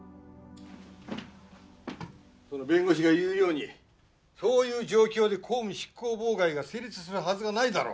その弁護士が言うようにそういう状況で公務執行妨害が成立するはずがないだろう。